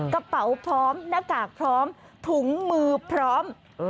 กระเป๋าพร้อมหน้ากากพร้อมถุงมือพร้อม